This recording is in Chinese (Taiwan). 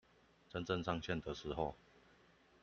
真正上線的時候